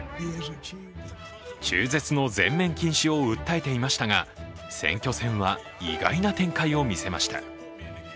中絶の全面禁止を訴えていましたが選挙戦は意外な展開を見せました。